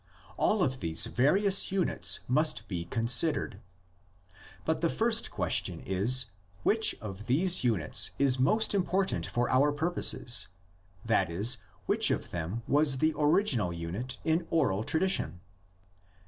All of these various units must be considered. But the first question is, Which of these units is most important for our purposes, that is, which of them was the original unit in oral tj adition?